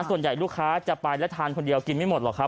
ส่วนใหญ่ลูกค้าจะไปและทานคนเดียวกินไม่หมดหรอกครับ